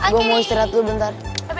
gue mau istirahat dulu sebentar